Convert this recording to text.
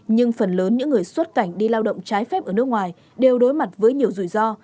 nhưng phần lớn những người xuất cảnh đi lao động trái phép ở nước ngoài đều đối mặt với nhiều rủi ro